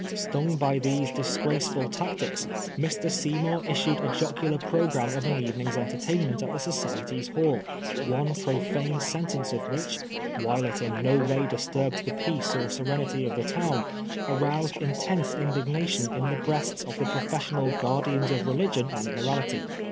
Stnng by these disgraceful tactics, Mr. Seymour issued a jocular programme of an evening's entertainment at the Society's hall, one profane sentence of which, while it in no way disturbed the peace or serenity of the town, aroused intense indignation in the breasts of the professional guardians of religion and morality.